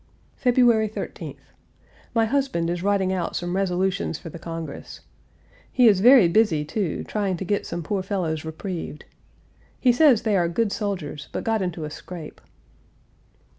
February 13th. My husband is writing out some resolutions for the Congress. He is very busy, too, trying to get some poor fellows reprieved. He says they are good soldiers but got into a scrape.